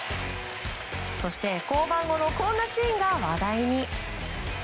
そして、降板後のこんなシーンが話題に。